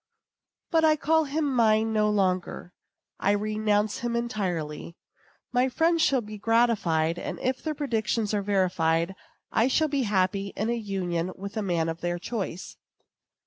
But I call him mine no longer. I renounce him entirely. My friends shall be gratified; and if their predictions are verified, I shall be happy in a union with a man of their choice.